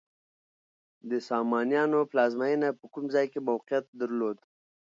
د سامانیانو پلازمینه په کوم ځای کې موقعیت درلود؟